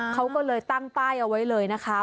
เขาก็เลยตั้งป้ายเอาไว้เลยนะคะ